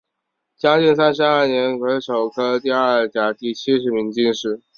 嘉靖三十二年癸丑科第二甲第七十名进士。